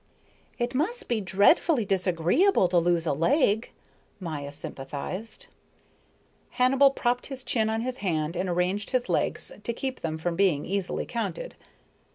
"It must be dreadfully disagreeable to lose a leg," Maya sympathized. Hannibal propped his chin on his hand and arranged his legs to keep them from being easily counted.